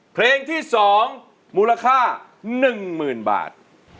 เพลงที่๒มูลค่า๑๐๐๐บาท